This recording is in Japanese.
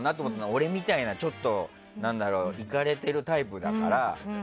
俺みたいな、ちょっとイカれてるタイプだから。